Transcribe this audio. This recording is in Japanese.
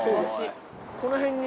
この辺に。